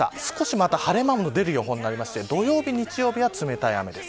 少し晴れ間の出る予報になって土曜日や日曜日は冷たい雨です。